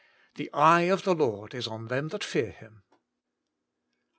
* The eye of the Lord is on them that fear Him.